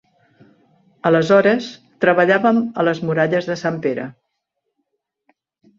Aleshores treballàvem a les muralles de Sant Pere